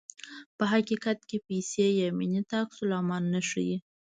په حقیقت کې پیسو یا مینې ته عکس العمل نه ښيي.